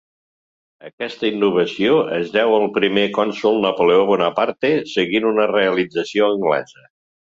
Aquesta innovació es deu al primer cònsol Napoleó Bonaparte, seguint una realització anglesa.